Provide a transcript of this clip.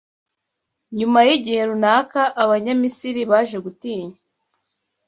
Nyuma y’igihe runaka Abanyamisiri baje gutinya